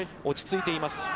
落ち着いています。